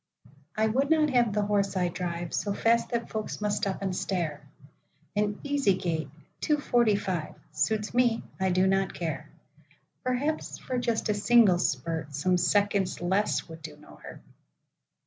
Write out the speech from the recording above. I would not have the horse I driveSo fast that folks must stop and stare; An easy gait—two forty five—Suits me; I do not care;—Perhaps, for just a single spurt, Some seconds less would do no hurt.